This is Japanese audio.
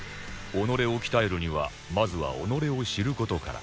己を鍛えるにはまずは己を知る事から